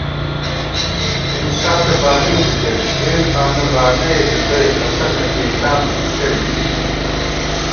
انصافے بالِؤ بِتېن اېن آنہ بانَئے دُتَئ اسَہ نہ کېئݪاں بی کِی شَئ لِزِبا